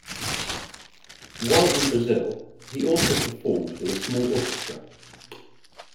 While in Brazil, he also performed with a small orchestra.